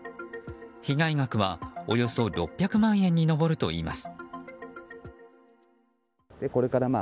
被害額はおよそ６００万円に上るといいます。